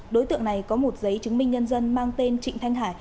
đối tượng này có một giấy chứng minh nhân dân mang tên trịnh thanh hải